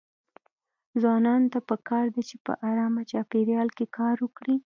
ځوانانو ته پکار ده چې په ارام چاپيريال کې کار وکړي.